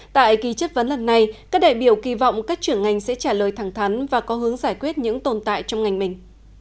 tại kỳ chất vấn lần này các đại biểu kỳ vọng các trưởng ngành sẽ trả lời thẳng thắn và có hướng giải quyết những tồn tại trong ngành mình